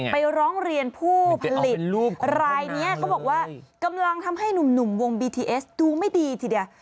ร้องเรียนผู้ผลิตรูปรายนี้เขาบอกว่ากำลังทำให้หนุ่มวงบีทีเอสดูไม่ดีทีเดียว